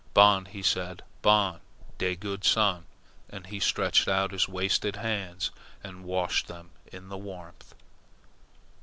"BON!" he said. "BON! De good sun!" And he stretched out his wasted hands and washed them in the warmth.